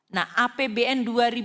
nah apbn dua ribu dua puluh